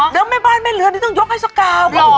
แล้วแม่บ้านแม่เรือนต้องยกให้สกาว